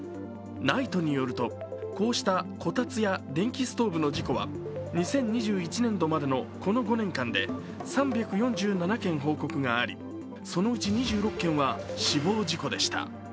ＮＩＴＥによると、こうしたこたつや電気ストーブの事故は２０２１年度までの、この５年間で３４７件報告があり、そのうち２６件は死亡事故でした。